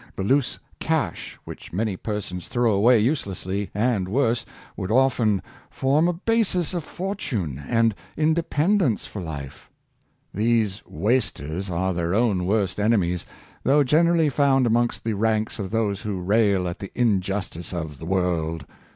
The loose cash which many persons throw away uselessly, and worse, would often form a basis of fortune and inde pendence for life. These wasters are their own worst enemies, though generally found amongst the ranks of those who rail at the injustice of " the world."